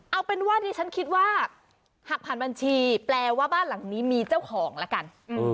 เอาเป็นว่าที่ฉันคิดว่าหากผ่านบัญชีแปลว่าบ้านหลังนี้มีเจ้าของละกัน